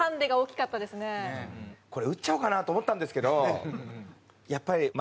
これ打っちゃおうかなと思ったんですけどやっぱり。